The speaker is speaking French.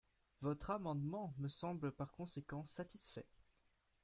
» Votre amendement me semble par conséquent satisfait.